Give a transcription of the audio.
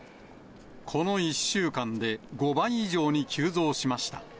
この１週間で５倍以上に急増しました。